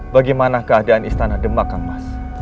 bagaimana keadaan istana demakang mas